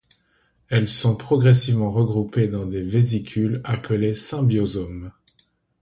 Elles sont progressivement regroupées dans des vésicules appelées symbiosomes.